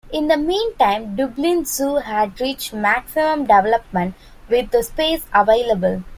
In the meantime, Dublin Zoo had reached maximum development with the space available.